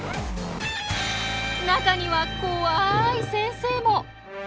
中にはこわい先生も。